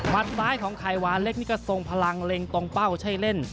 ซ้ายของไข่หวานเล็กนี่ก็ทรงพลังเล็งตรงเป้าใช่เล่น